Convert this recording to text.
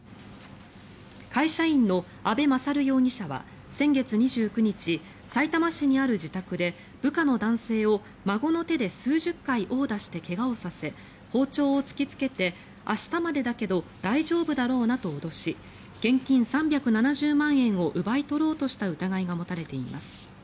会社員の阿部勝容疑者は先月２９日さいたま市にある自宅で部下の男性を、孫の手で数十回殴打して怪我をさせ包丁を突きつけて明日までだけど大丈夫だろうなと脅し現金３７０万円を奪い取ろうとした疑いが持たれています。